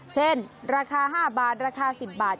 เช่นราคา๕บาทราคา๑๐บาท